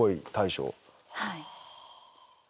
はい。